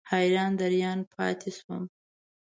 حیران دریان پاتې شوم.